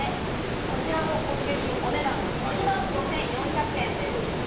こちらも高級品、お値段１万５４００円です。